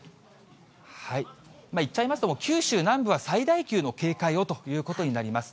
言っちゃいますと、九州南部は最大級の警戒をということになります。